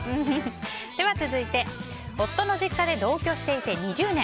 続いて夫の実家で同居していて２０年。